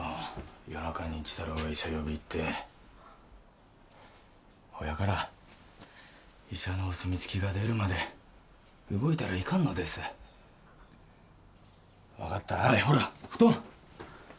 夜中に一太郎が医者呼び行ってほやから医者のお墨付きが出るまで動いたらいかんのです分かったらはいほらッ布団！